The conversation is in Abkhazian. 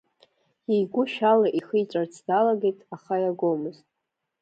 Иеигәышә ала ихиҵәарц далагеит, аха иагомызт.